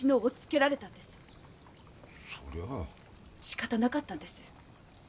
しかたなかったんですよ。